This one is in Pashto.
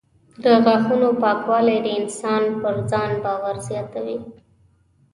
د غاښونو پاکوالی د انسان پر ځان باور زیاتوي.